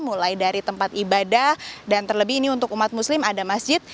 mulai dari tempat ibadah dan terlebih ini untuk umat muslim ada masjid